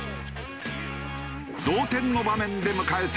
同点の場面で迎えた